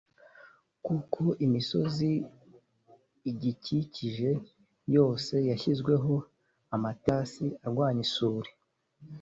kuko imisozi igikikije yose yashyizweho amaterasi arwanya isuri.